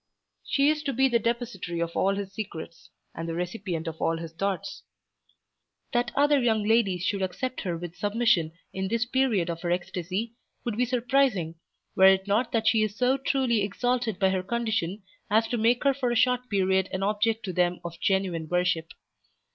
She is to be the depository of all his secrets, and the recipient of all his thoughts. That other young ladies should accept her with submission in this period of her ecstasy would be surprising were it not that she is so truly exalted by her condition as to make her for a short period an object to them of genuine worship.